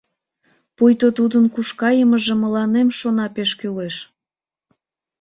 Пуйто тудын куш кайымыже мыланем, шона, пеш кӱлеш!